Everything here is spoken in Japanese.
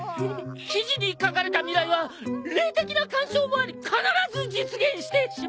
記事に書かれた未来は霊的な干渉もあり必ず実現してしまう。